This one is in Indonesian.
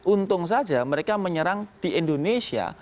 untung saja mereka menyerang di indonesia